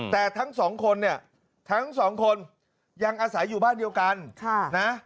แต่ทั้งสองคนเนี่ยทั้งสองคนยังอาศัยอยู่บ้านเดียวกันนะ